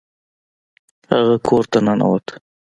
هغه کور ته ننوت.